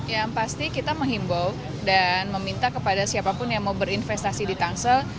yang pasti kita menghimbau dan meminta kepada siapapun yang mau berinvestasi di tangsel